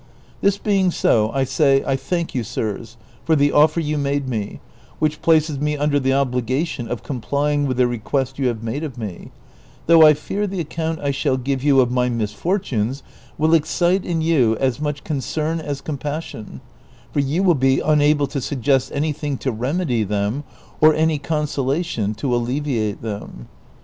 This being so, I say I thank you, sirs, for the offer you made me, which places me under the obliga tion of complying with the request you have made of me ; though I fear the account I shall give you of my misfortunes will excite in you as much concern as compassion, for you will be unable to suggest anything to remedy them or any consola tion to alleviate them.